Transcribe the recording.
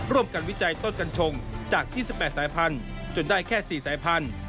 วิจัยต้นกัญชงจาก๒๘สายพันธุ์จนได้แค่๔สายพันธุ